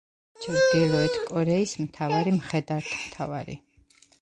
ჩრდილოეთ კორეის მთავარი მხედართმთავარი.